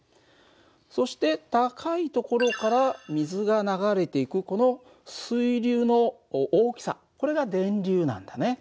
そして高い所から水が流れていくこの水流の大きさこれが電流なんだね。